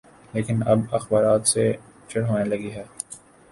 لیکن اب اخبارات سے چڑ ہونے لگی ہے۔